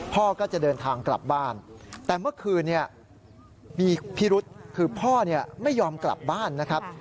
พ่อก็จะเดินทางกลับบ้านแต่เมื่อคืนมีพิรุษคือพ่อไม่ยอมกลับบ้านนะครับ